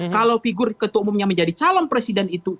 kalau figur ketua umumnya menjadi calon presiden itu